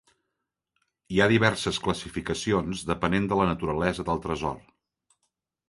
Hi ha diverses classificacions depenent de la naturalesa del tresor.